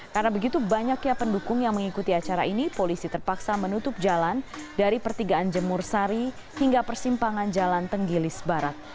karena begitu banyaknya pendukung yang mengikuti acara ini polisi terpaksa menutup jalan dari pertigaan jemur sari hingga persimpangan jalan tenggilis barat